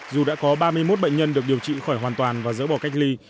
dù đã có ba mươi một bệnh nhân được điều trị khỏi hoàn toàn và dỡ bỏ cách ly